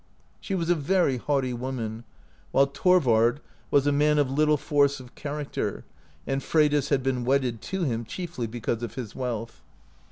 She was a very haughty woman, while Thorvard was a man of little force of character, and Freydis had been wedded to him chiefly because of his wealth.